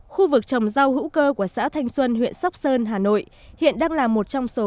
khu vực trồng rau hữu cơ của xã thanh xuân huyện sóc sơn hà nội hiện đang là một trong số